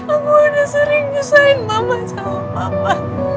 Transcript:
aku udah sering ngesahin mama sama papa